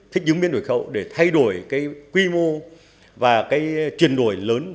thích ứng biến đổi khẩu để thay đổi cái quy mô và cái chuyển đổi lớn